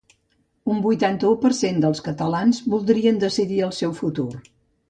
Un vuitanta-un per cent dels catalans voldrien decidir el seu futur